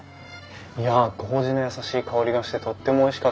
いや麹の優しい香りがしてとってもおいしかったです。